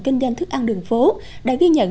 kinh doanh thức ăn đường phố đã ghi nhận